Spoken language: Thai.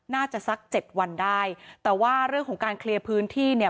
สักเจ็ดวันได้แต่ว่าเรื่องของการเคลียร์พื้นที่เนี่ย